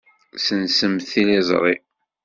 Ssensemt tiliẓri.